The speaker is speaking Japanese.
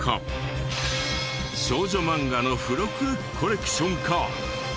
少女漫画の付録コレクションか？